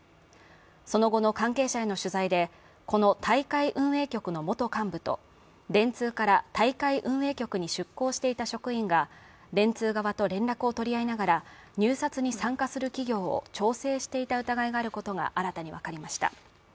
その後の関係者への取材で、この大会運営局の元幹部と電通から大会運営局に出向していた職員が電通側と連絡を取り合いながら入札に参加する企業を調整していた疑いがあることが新たに分かりました。